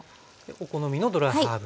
お好みのドライハーブ。